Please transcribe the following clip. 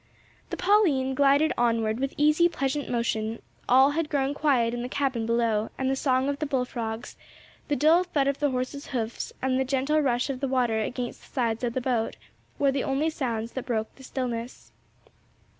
The Pauline glided onward with easy pleasant motion; all had grown quiet in the cabin below and the song of the bullfrogs, the dull thud of the horses' hoofs and the gentle rush of the water against the sides of the boat, were the only sounds that broke the stillness.